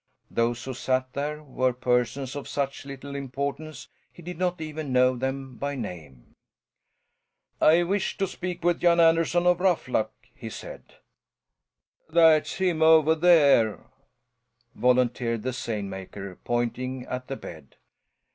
Those who sat there were persons of such little importance he did not even know them by name. "I wish to speak with Jan Anderson of Ruffluck," he said. "That's him over there," volunteered the seine maker, pointing at the bed.